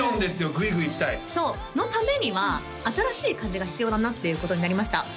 グイグイいきたいそうのためには新しい風が必要だなっていうことになりました